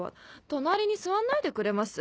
隣に座んないでくれます？